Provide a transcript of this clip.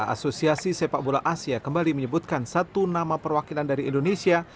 asosiasi sepak bola asia kembali menyebutkan satu nama perwakilan dari indonesia